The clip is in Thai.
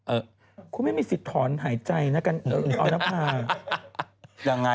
เอ่อคูยังไม่มีสิทธรณหายใจนะกันเอาละไง